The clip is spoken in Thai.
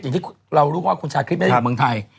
อย่างที่เรารู้ว่าคุณชาคริสได้อยู่เมืองไทย